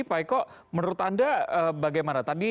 pak eko menurut anda bagaimana tadi